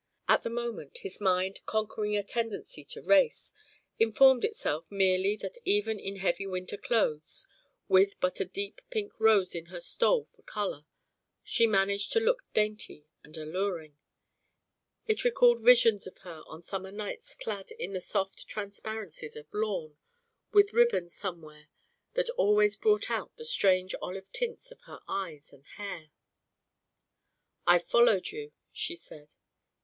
At the moment, his mind, conquering a tendency to race, informed itself merely that even in heavy winter clothes, with but a deep pink rose in her stole for colour, she managed to look dainty and alluring. It recalled visions of her on summer nights clad in the soft transparencies of lawn, with ribbons somewhere that always brought out the strange olive tints of her eyes and hair.... "I followed you," she said.